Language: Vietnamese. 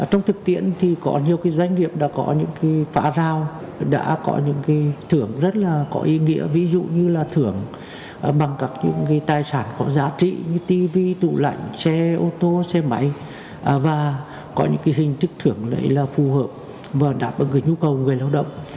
và trong thực tiễn thì có nhiều cái doanh nghiệp đã có những cái phá rào đã có những cái thưởng rất là có ý nghĩa ví dụ như là thưởng bằng các những cái tài sản có giá trị như tv tủ lạnh xe ô tô xe máy và có những cái hình thức thưởng lấy là phù hợp và đáp ứng với nhu cầu người lao động